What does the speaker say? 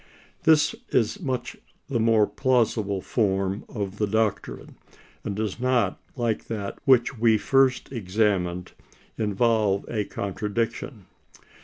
This is much the most plausible form of the doctrine, and does not, like that which we first examined, involve a contradiction.